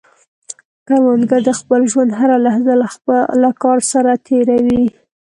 کروندګر د خپل ژوند هره لحظه له کار سره تېر وي